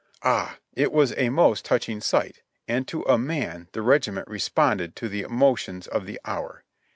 Ah ! It was a most touching sight, and to a man the regiment responded to the emotions of the hour.